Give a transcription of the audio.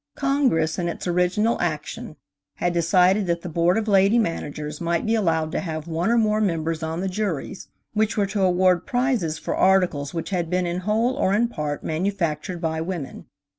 Congress in its original action had decided that the Board of Lady Managers might be allowed to have one or more members on the juries which were to award prizes for articles which had been in whole or in part manufactured by women.